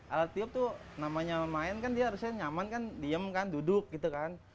alat tiup tuh namanya main kan dia harusnya nyaman kan diem kan duduk gitu kan